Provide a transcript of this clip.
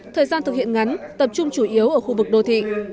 thời gian thực hiện ngắn tập trung chủ yếu ở khu vực đô thị